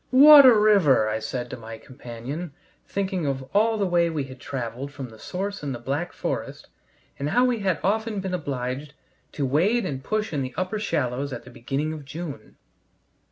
"What a river!" I said to my companion, thinking of all the way we had traveled from the source in the Black Forest, and how we had often been obliged to wade and push in the upper shallows at the beginning of June.